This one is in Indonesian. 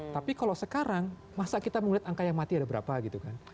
tapi kalau sekarang masa kita melihat angka yang mati ada berapa gitu kan